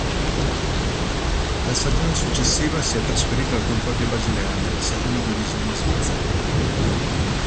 La stagione successiva si è trasferito al Concordia Basilea, nella seconda divisione svizzera.